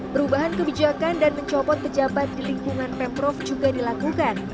perubahan kebijakan dan mencopot pejabat di lingkungan pemprov juga dilakukan